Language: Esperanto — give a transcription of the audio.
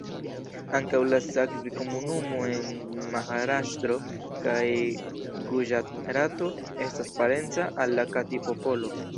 Ankaŭ la Savji-komunumo en Maharaŝtro kaj Guĝarato estas parenca al la Kati-popolo.